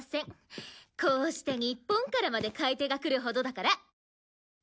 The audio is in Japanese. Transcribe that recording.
こうして日本からまで買い手が来るほどだから。